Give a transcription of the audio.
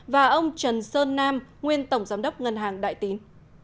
và ông trần sơn nam nguyên tổng giám đốc ngân hàng đại tín